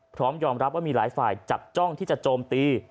พร้อมยอมรับว่ามีหลายฝ่ายจับจ้องที่จะโจมตี